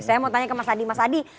saya mau tanya ke mas adi